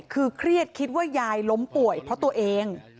คือเครียดคิดว่ายายล้มป่วยเพราะตัวเอง